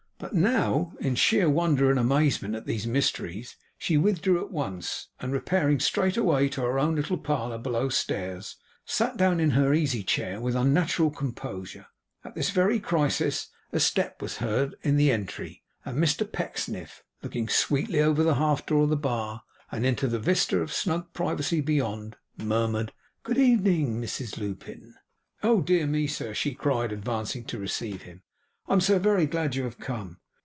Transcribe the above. But now, in sheer wonder and amazement at these mysteries, she withdrew at once, and repairing straightway to her own little parlour below stairs, sat down in her easy chair with unnatural composure. At this very crisis, a step was heard in the entry, and Mr Pecksniff, looking sweetly over the half door of the bar, and into the vista of snug privacy beyond, murmured: 'Good evening, Mrs Lupin!' 'Oh dear me, sir!' she cried, advancing to receive him, 'I am so very glad you have come.